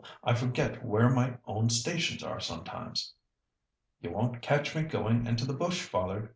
I forget where my own stations are sometimes." "You won't catch me going into the bush, father!"